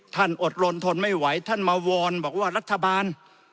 อดรนทนไม่ไหวท่านมาวอนบอกว่ารัฐบาล